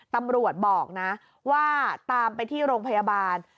ตำรวจบอกนะว่าตามไปที่โรงพยาบาล